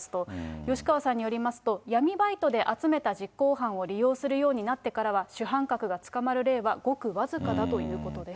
吉川さんによりますと、闇バイトで集めた実行犯を利用するようになってからは、主犯格が捕まる例はごく僅かだということです。